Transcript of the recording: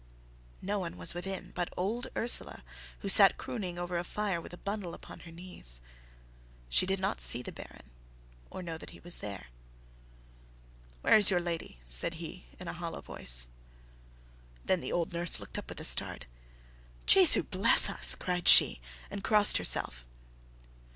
No one was within but old Ursela, who sat crooning over a fire with a bundle upon her knees. She did not see the Baron or know that he was there. "Where is your lady?" said he, in a hollow voice. Then the old nurse looked up with a start. "Jesu bless us," cried she, and crossed herself.